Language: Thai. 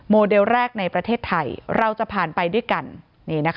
โมเดลแรกในประเทศไทยเราจะผ่านไปด้วยกัน